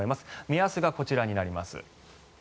目安がこちらになります。